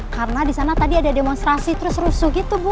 karena disana tadi ada demonstrasi terus rusuh gitu bu